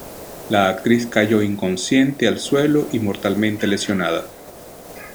La actriz cayó inconsciente al suelo y mortalmente lesionada.